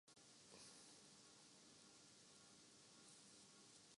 اب تک اس کا غیر منقطع تاریخی تسلسل سامنے آیا ہے۔